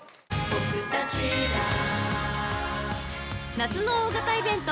［夏の大型イベント